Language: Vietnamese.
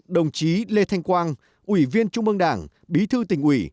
đồng chí lê thanh quang ủy viên trung ương đảng bí thư tỉnh ủy